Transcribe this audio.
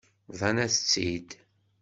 Bḍan-as-tt-id.